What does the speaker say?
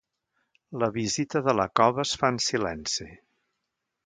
La visita de la cova es fa en silenci.